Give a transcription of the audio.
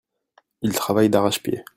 Il travaille d'arrache-pied.